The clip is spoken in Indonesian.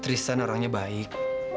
tristan orangnya baik